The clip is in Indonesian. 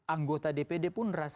anggota dpd berpengaruh